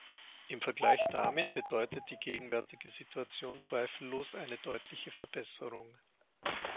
Im Vergleich damit bedeutet die gegenwärtige Situation zweifellos eine deutliche Verbesserung.